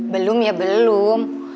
belum ya belum